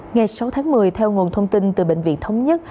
ngày sáu tháng một mươi theo nguồn thông tin từ bệnh viện thống nhất